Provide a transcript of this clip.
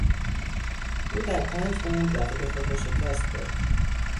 او در پنج راند رقیب خود را شکست داد.